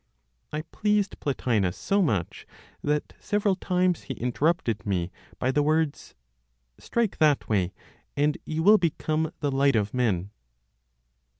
I pleased Plotinos so much, that several times he interrupted me by the words, "Strike that way, and you will become the light of men!"